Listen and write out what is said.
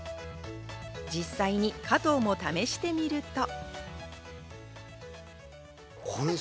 実際に加藤も試してみると。